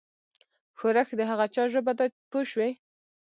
ښورښ د هغه چا ژبه ده پوه شوې!.